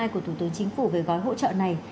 của thủ tướng chính phủ về gói hỗ trợ này